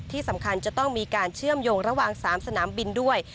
ที่สำคัญจะต้องมีการเชื่อมโยงระหว่าง๓สนามบินด้วย